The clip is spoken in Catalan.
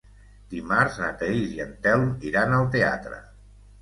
Dimarts na Thaís i en Telm iran al teatre.